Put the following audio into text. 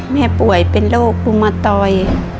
แม่ป่วยเป็นโรครุมตอย